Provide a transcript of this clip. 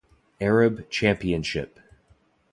Arab Championship